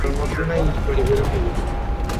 এখন বল তোদের সমস্যা কি?